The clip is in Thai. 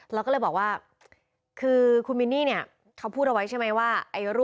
แล้วก็เลยบอกว่าคือคุณมินนี่เนี่ยเขาพูดเอาไว้ใช่ไหมว่า